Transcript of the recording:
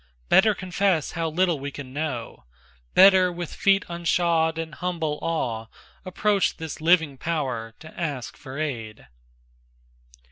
Better confess how little we can know, Better with feet unshod and humble awe Approach this living Power to ask for aid."